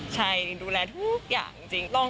ใช่ดูแลทุกอย่างจริง